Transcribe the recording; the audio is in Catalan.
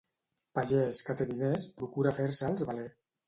Pagès que té diners procura fer-se'ls valer.